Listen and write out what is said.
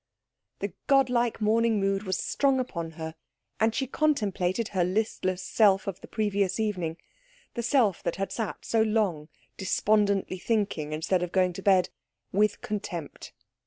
The god like morning mood was strong upon her, and she contemplated her listless self of the previous evening, the self that had sat so long despondently thinking instead of going to bed, with contempt.